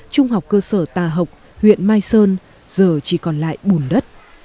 trung học cơ sở tà học huyện mai sơn giờ chỉ còn lại bùn đất